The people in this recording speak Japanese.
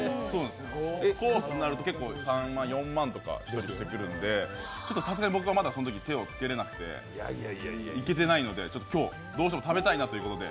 コースになると３万、４万とかいうお値段してくるので、さすがに僕はそのとき手をつけれてなくて行けてないので、ちょっと今日、どうしても食べたいなということで。